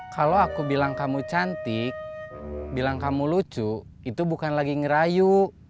kalau aku bilang kamu cantik bilang kamu lucu itu bukan lagi ngerayu